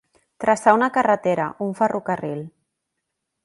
Traçar una carretera, un ferrocarril.